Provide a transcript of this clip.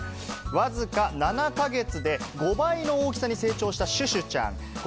わずか７か月で５倍の大きさに成長した、シュシュちゃん。